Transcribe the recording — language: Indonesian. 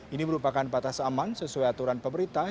ini merupakan batas aman sesuai aturan pemerintah